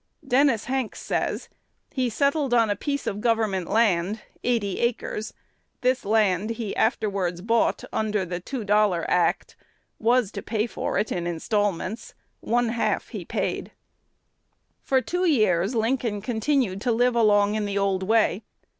Dennis Hanks says, "He settled on a piece of government land, eighty acres. This land he afterwards bought under the Two Dollar Act; was to pay for it in instalments; one half he paid." For two years Lincoln continued to live along in the old way.